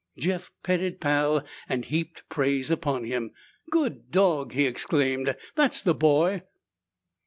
Jeff petted Pal and heaped praise upon him. "Good dog!" he exclaimed. "That's the boy!"